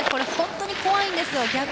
本当に怖いんですよ。